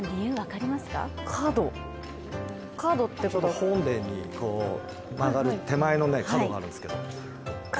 本殿に曲がる手前の角があるんですけど。